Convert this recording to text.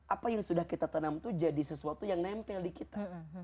apa yang sudah kita tanam itu jadi sesuatu yang nempel di kita